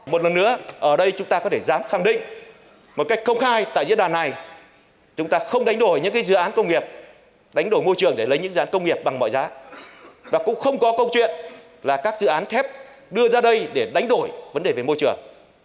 một lần nữa ở đây chúng ta có thể dám khẳng định một cách công khai tại diễn đàn này chúng ta không đánh đổi những dự án công nghiệp đánh đổi môi trường để lấy những dự án công nghiệp bằng mọi giá và cũng không có câu chuyện là các dự án thép đưa ra đây để đánh đổi vấn đề về môi trường